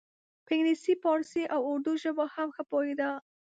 په انګلیسي پارسي او اردو ژبو هم ښه پوهیده.